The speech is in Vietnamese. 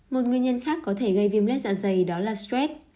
một nguyên nhân khác có thể gây viêm lết dạ dày đó là stress